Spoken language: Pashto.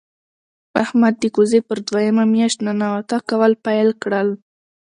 احمد د کوزې پر دویمه مياشت ننواته کول پیل کړل.